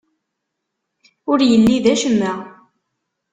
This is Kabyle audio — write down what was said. Ur yelli d acemma.